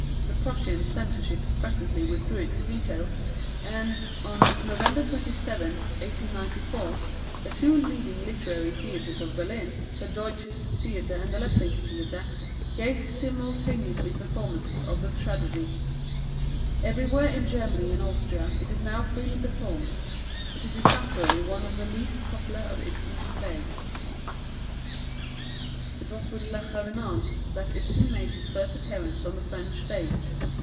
The Prussian censorship presently withdrew its veto, and on November 27, 1894, the two leading literary theatres of Berlin, the Deutsches Theater and the Lessing Theater, gave simultaneous performances of the tragedy. Everywhere in Germany and Austria it is now freely performed; but it is naturally one of the least popular of Ibsen's plays. It was with Les Revenants that Ibsen made his first appearance on the French stage.